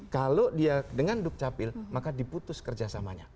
kalau dia dengan duk capil maka diputus kerjasamanya